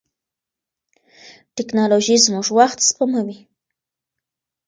ټیکنالوژي زموږ وخت سپموي.